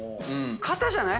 肩じゃない？